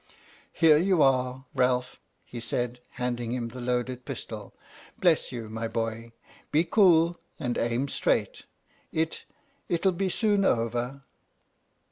" Here you are, Ralph," he said, handing him the loaded pistol. " Bless you, my boy. Be cool and aim straight. It — it'll be soon over!